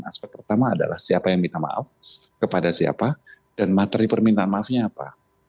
aspek pertama adalah siapa yang minta maaf kepada siapa dan materi permintaan maafnya apa